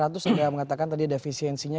tidak mengatakan tadi defisiensinya